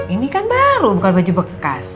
ini kan baru bukan baju bekas